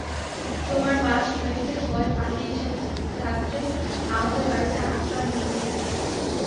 তোমার মা সিপাহিদের ভয়ে পালিয়ে এসে রাত্রে আমাদের বাড়িতে আশ্রয় নিয়েছিলেন।